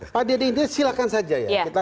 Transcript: pada intinya silahkan saja ya